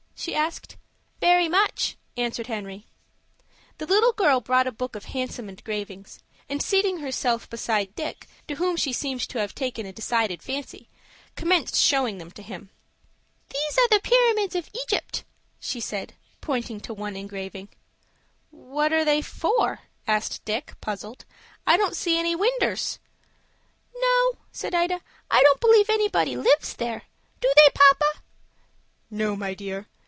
she asked. "Very much," answered Henry. The little girl brought a book of handsome engravings, and, seating herself beside Dick, to whom she seemed to have taken a decided fancy, commenced showing them to him. "There are the Pyramids of Egypt," she said, pointing to one engraving. "What are they for?" asked Dick, puzzled. "I don't see any winders." "No," said Ida, "I don't believe anybody lives there. Do they, papa?" "No, my dear.